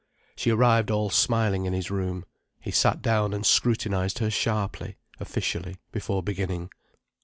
She arrived all smiling in his room. He sat down and scrutinized her sharply, officially, before beginning.